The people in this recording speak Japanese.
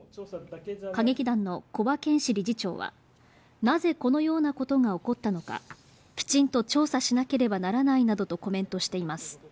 歌劇団の木場健之理事長は、なぜこのようなことが起こったのかきちんと調査しなければならないなどとコメントしています。